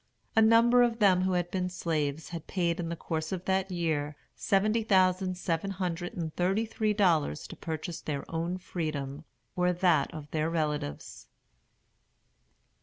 A number of them who had been slaves had paid, in the course of that year, seventy thousand seven hundred and thirty three dollars to purchase their own freedom, or that of their relatives.